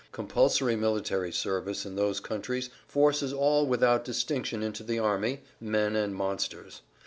Compulsory military service in those countries forces all without distinction into the army, men and monsters.